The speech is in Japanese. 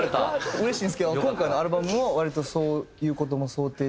うれしいんですけど今回のアルバムも割とそういう事も想定して？